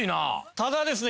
ただですね